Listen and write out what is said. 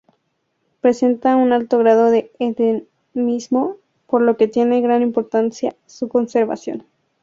Presenta un alto grado de endemismo, por lo que tiene gran importancia su conservación.